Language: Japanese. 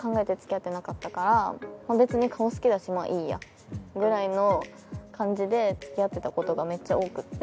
別に顔好きだしまあいいやぐらいの感じで付き合ってた事がめっちゃ多くて。